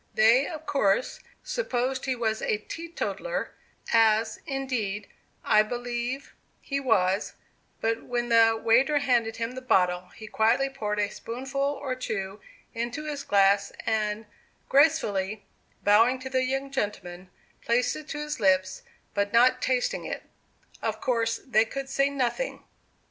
They, of course, supposed he was a teetotaler, as, indeed, I believe he was; but when the waiter handed him the bottle, he quietly poured a spoonful or two into his glass, and, gracefully bowing to the young gentlemen, placed it to his lips, but not tasting it. Of course, they could say nothing.